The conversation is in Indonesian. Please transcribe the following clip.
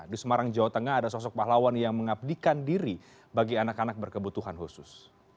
di semarang jawa tengah ada sosok pahlawan yang mengabdikan diri bagi anak anak berkebutuhan khusus